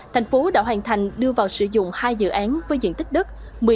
thành phố đã hoàn thành đưa vào sử dụng hai dự án với diện tích đất